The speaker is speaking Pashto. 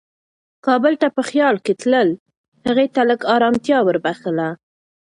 کابل ته په خیال کې تلل هغې ته لږ ارامتیا وربښله.